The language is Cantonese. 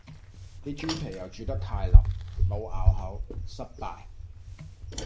啲豬皮又煮得太淋，冇咬口，失敗